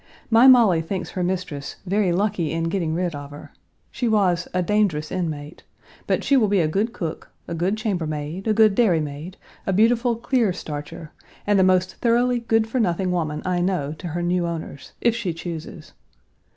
My Molly thinks her mistress "very lucky in getting rid of her." She was "a dangerous inmate," but she will be a good cook, a good chambermaid, a good dairymaid, a beautiful clear starcher, and the most thoroughly good for nothing woman I know to her new owners, if she chooses.